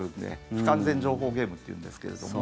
不完全情報ゲームっていうんですけれども。